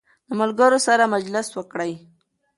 د ملګرو سره مجلس وکړئ.